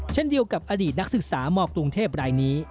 เช่นเดียวกับอดีตนักศึกษามกรุงเทพรายนี้